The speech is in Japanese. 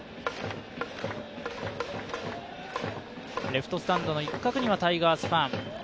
レフトスタンドの一角にはタイガースファン。